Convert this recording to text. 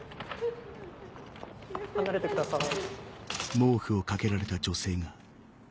離れてください。